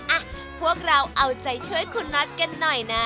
อ่ะพวกเราเอาใจช่วยคุณน็อตกันหน่อยนะ